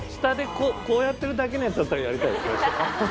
下でこうやってるだけのやつだったらやりたい。